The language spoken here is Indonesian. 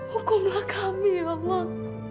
hukumlah kami ya allah